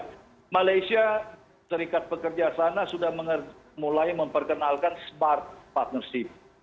karena malaysia serikat pekerja sana sudah mulai memperkenalkan smart partnership